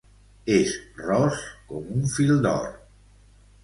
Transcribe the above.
És ros com un fil d'or.